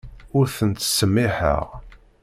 Ur tent-ttsemmiḥeɣ.